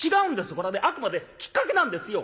これはねあくまできっかけなんですよ」。